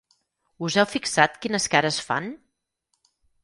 Us heu fixat quines cares fan?